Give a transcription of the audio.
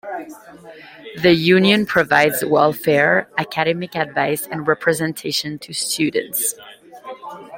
The Union provides welfare, academic advice and representation to students.